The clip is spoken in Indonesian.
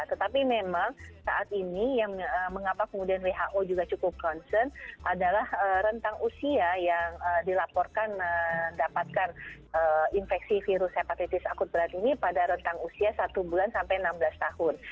tetapi memang saat ini yang mengapa kemudian who juga cukup concern adalah rentang usia yang dilaporkan mendapatkan infeksi virus hepatitis akut berat ini pada rentang usia satu bulan sampai enam belas tahun